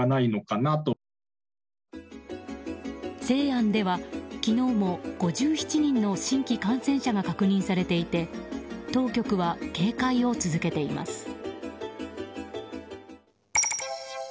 西安では昨日も５７人の新規感染者が確認されていて当局は警戒を続けています。